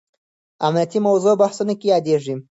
امنیتي موضوع بحثونو کې یادېږي.